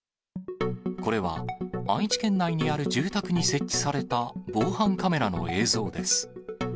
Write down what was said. これは愛知県内にある住宅に設置された防犯カメラの映像です。